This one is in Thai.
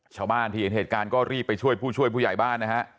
ชาวบ้านที่เห็นเหตุการณ์ก็รีบไปช่วยผู้ช่วยผู้ใหญ่บ้านนะฮะ